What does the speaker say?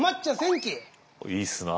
いいっすな。